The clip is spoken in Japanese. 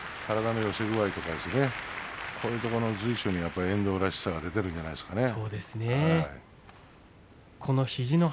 体の寄せ具合とかこういうところ随所に遠藤らしさが出ているんじゃないですか。